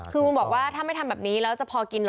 คือคุณบอกว่าถ้าไม่ทำแบบนี้แล้วจะพอกินนะ